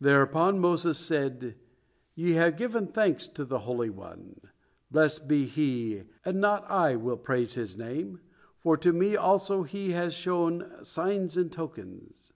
Thereupon Moses said: "Ye have given thanks to the Holy One, blessed be He, and not I will praise His name, for to me also has He shown signs and tokens.